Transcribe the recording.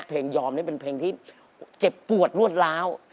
เพลงยอมเป็นเพลงที่เจ็บปวดรวดร้าว